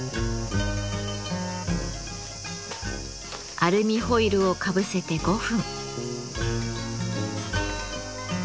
アルミホイルをかぶせて５分。